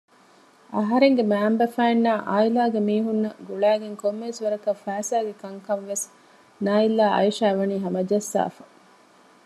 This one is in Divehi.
އަހަރެންގެ މައިންބަފައިންނާއި އާއިލާގެ މީހުންނަށް ގުޅައިގެން ކޮންމެވެސް ވަރަކަށް ފައިސާގެ ކަންކަންވެސް ނާއިލްއާއި އައިޝާވަނީ ހަމަޖައްސާފަ